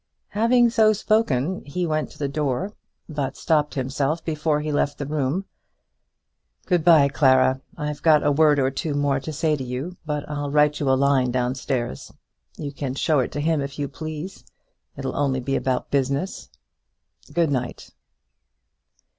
Having so spoken he went to the door, but stopped himself before he left the room. "Good bye, Clara. I've got a word or two more to say to you, but I'll write you a line down stairs. You can show it to him if you please. It'll only be about business. Good night."